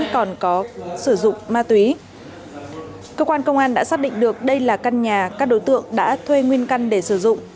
cơ quan công an đã xác định được đây là căn nhà các đối tượng đã thuê nguyên căn để sử dụng